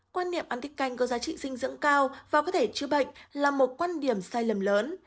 quan niệm ăn tiết canh có giá trị dinh dưỡng cao và có thể chứa bệnh là một quan điểm sai lầm lớn